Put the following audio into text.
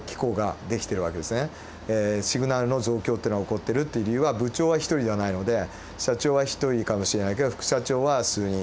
シグナルの増強っていうのが起こってるっていう理由は部長は１人ではないので社長は１人かもしれないけど副社長は数人。